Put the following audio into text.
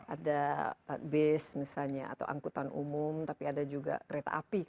ada bis misalnya atau angkutan umum tapi ada juga kereta api